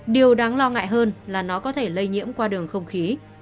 điều đáng lo ngại hơn là nó có thể lây nhiễm qua đường không khí